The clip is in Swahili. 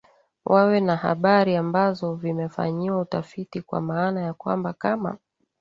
wawe na habari ambazo vimefanyiwa utafiti kwa maana ya kwamba kama